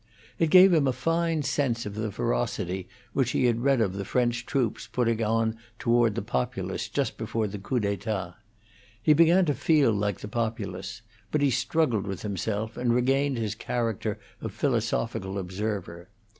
It gave him a fine sense of the ferocity which he had read of the French troops putting on toward the populace just before the coup d'etat; he began to feel like the populace; but he struggled with himself and regained his character of philosophical observer.